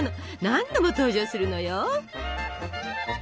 何度も登場するのよ。